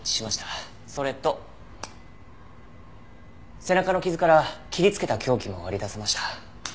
それと背中の傷から切りつけた凶器も割り出せました。